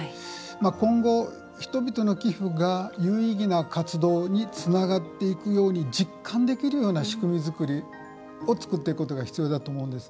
今後、人々の寄付が有意義な活動につながっていくように実感できるような仕組み作りを作っていくことが必要だと思います。